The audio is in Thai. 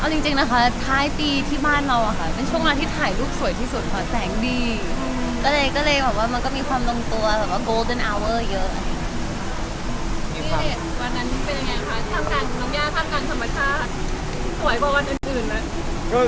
วันนั้นเป็นยังไงคะทำการสมัครสำหรับน้องย่า